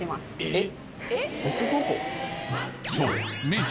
えっ。